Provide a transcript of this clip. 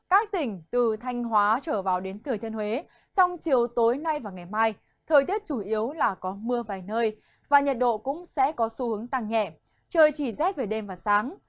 các tỉnh từ thanh hóa trở vào đến thừa thiên huế trong chiều tối nay và ngày mai thời tiết chủ yếu là có mưa vài nơi và nhiệt độ cũng sẽ có xu hướng tăng nhẹ trời chỉ rét về đêm và sáng